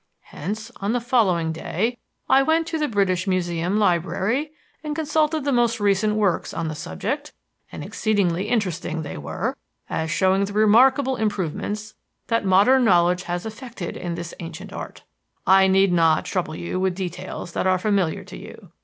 Hence, on the following day, I went to the British Museum library and consulted the most recent works on the subject; and exceedingly interesting they were, as showing the remarkable improvements that modern knowledge has effected in this ancient art. I need not trouble you with details that are familiar to you.